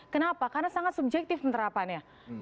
kenapa karena sangat subjektif penerapannya